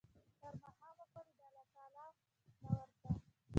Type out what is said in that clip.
تر ماښامه پوري د الله تعالی نه ورته